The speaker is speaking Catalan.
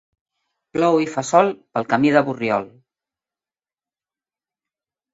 Plou i fa sol pel camí de Borriol.